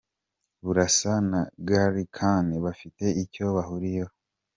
Burasa na Gallican bafite icyo bahuriyeho.